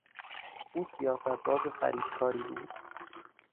او سیاست باز فریبکاری بود.